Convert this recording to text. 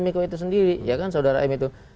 miko itu sendiri ya kan saudara m itu